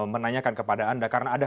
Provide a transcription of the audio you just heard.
menanyakan kepada anda karena ada